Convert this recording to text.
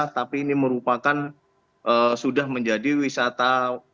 tapi ini merupakan sudah menjadi wisata